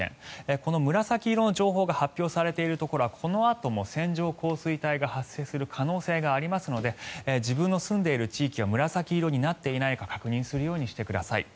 この紫色の情報が発表されているところはこのあとも線状降水帯が発生する可能性がありますので自分の住んでいる地域が紫色になっていないか確認するようにしてください。